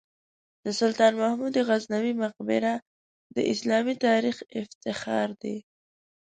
د سلطان محمود غزنوي مقبره د اسلامي تاریخ افتخار دی.